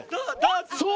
そう！